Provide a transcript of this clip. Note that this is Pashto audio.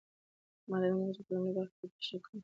ما دا موضوع په لومړۍ برخه کې تشرېح کړه.